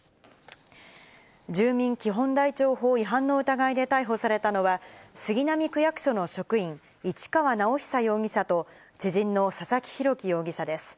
住民基本台帳法違反の疑いで逮捕されたのは、杉並区役所の職員、市川直央容疑者と、知人の佐々木洋樹容疑者です。